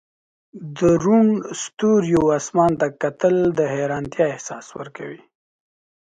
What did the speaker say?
د روڼ ستوریو اسمان ته کتل د حیرانتیا احساس ورکوي.